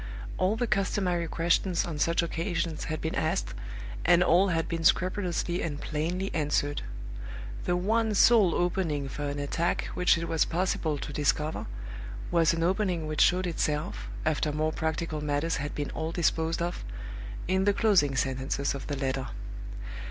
All the customary questions on such occasions had been asked, and all had been scrupulously and plainly answered. The one sole opening for an attack which it was possible to discover was an opening which showed itself, after more practical matters had been all disposed of, in the closing sentences of the letter.